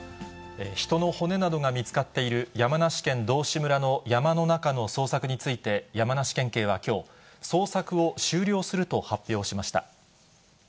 人の骨などが見つかっている、山梨県道志村の山の中の捜索について、山梨県警はきょう、捜索を終了すると発表しました。